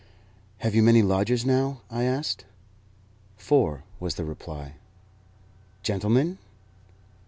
"Have you many lodgers now?" I asked. "Four," was the reply. "Gentlemen?"